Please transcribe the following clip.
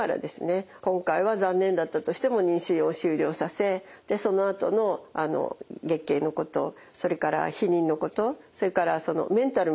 今回は残念だったとしても妊娠を終了させでそのあとの月経のことそれから避妊のことそれからメンタルもだいぶね